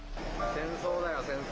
戦争だよ、戦争。